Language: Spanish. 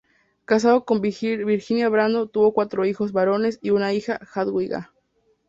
Casado con Virginia Brando, tuvo cuatro hijos varones y una hija, Jadwiga.